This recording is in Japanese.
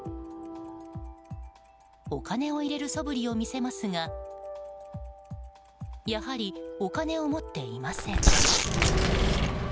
お金を入れるそぶりを見せますがやはり、お金を持っていません。